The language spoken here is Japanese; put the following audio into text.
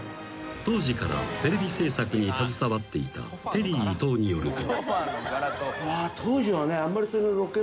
［当時からテレビ制作に携わっていたテリー伊藤によると］